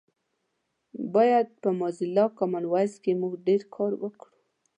باید په موزیلا کامن وایس کې مونږ ډېر کار وکړو